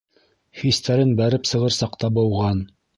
Хистәрен бәреп сығыр саҡта быуған.